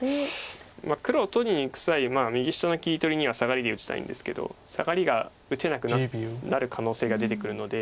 まあ黒を取りにいく際右下の切り取りにはサガリで打ちたいんですけどサガリが打てなくなる可能性が出てくるので。